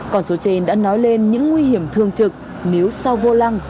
còn số trên đã nói lên những nguy hiểm thương trực nếu sau vô lăng